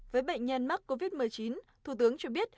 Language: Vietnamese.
với bệnh nhân mắc covid một mươi chín thủ tướng cho biết